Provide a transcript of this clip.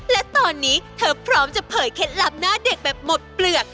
และตอนนี้เธอพร้อมจะเผยเคล็ดลับหน้าเด็กแบบหมดเปลือก